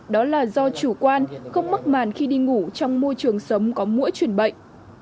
đó là do chủ quan không mắc màn khi đi ngủ trong môi trường sớm có mỗi chuyển bệnh